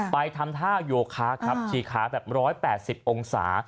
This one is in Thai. ไปทำท่าโยคะครับชีค้าแบบ๑๘๐องศา